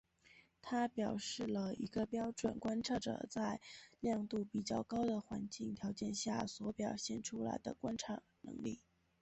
它表示了一个标准观测者在亮度比较高的环境条件下所表现出来的观测能力。